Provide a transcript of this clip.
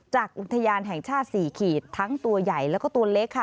อุทยานแห่งชาติ๔ขีดทั้งตัวใหญ่แล้วก็ตัวเล็กค่ะ